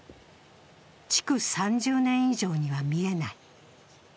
築３０年以上には見えない。